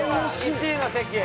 １位の席へ。